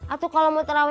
aduh kalau mau taraweh